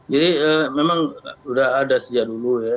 jadi memang sudah ada sejak dulu ya